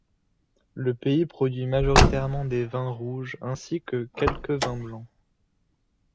Le pays produit majoritairement des vins rouges, ainsi que quelques vins blancs.